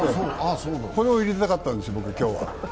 これを言いたかったんですよ、今日は。